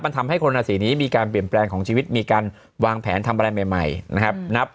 มันทำให้คนราศีนี้มีการเปลี่ยนแปลงของชีวิตมีการวางแผนทำอะไรใหม่นะครับ